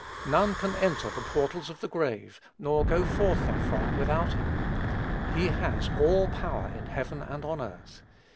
None can enter the portals of the grave, nor go forth therefrom without him. He has "all power in heaven and on earth."